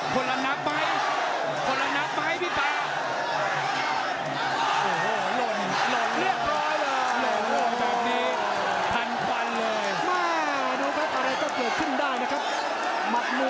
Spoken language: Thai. ใครลนใครลนใครโดน